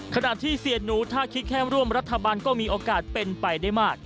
ขณะที่เสียหนูถ้าคิดแค่ร่วมรัฐบาลก็มีโอกาสเป็นไปได้มาก